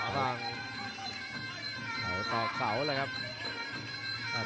เธอตอบเก๋าค่ะครับ